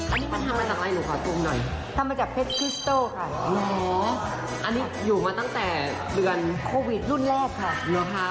อันนี้มันทำมาจากอะไรหนูขอปรุงหน่อยทำมาจากเพชรคิสโต้ค่ะอันนี้อยู่มาตั้งแต่เดือนโควิดรุ่นแรกค่ะเหรอคะ